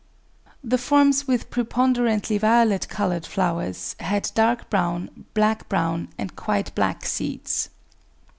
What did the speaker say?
The forms with preponderantly violet coloured flowers had dark brown, black brown, and quite black seeds.